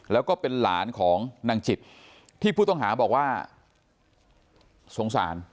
แล้วก็เป็นหลานของนางจิตที่ผู้ต้องหาบอกว่าสงสาร